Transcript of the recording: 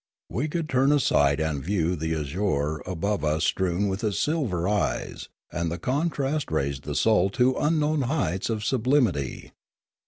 We could turn aside and view the azure above us strewn with its silver eyes, and the contrast raised the soul to unknown heights of sub limity.